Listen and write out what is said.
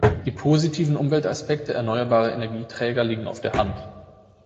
Die positiven Umweltaspekte erneuerbarer Energieträger liegen auf der Hand.